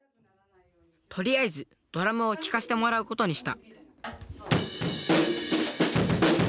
とりあえずドラムを聴かせてもらうことにした。